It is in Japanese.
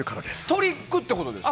トリックってことですか。